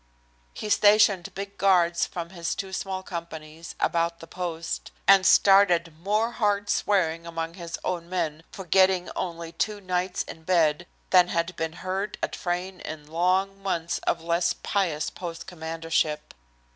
He stationed big guards from his two small companies about the post, and started more hard swearing among his own men, for "getting only two nights in bed," than had been heard at Frayne in long months of less pious post commandership.